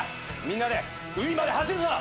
みんなで海まで走るぞ。